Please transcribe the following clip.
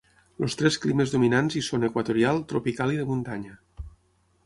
Els tres climes dominants hi són equatorial, tropical i de muntanya.